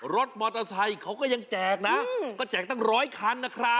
รถมอเตอร์ไซค์เขาก็ยังแจกนะก็แจกตั้งร้อยคันนะครับ